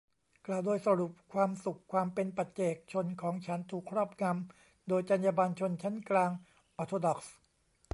กล่าวโดยสรุปความสุขความเป็นปัจเจกชนของฉันถูกครอบงำโดยจรรยาบรรณชนชั้นกลางออร์โธดอกซ์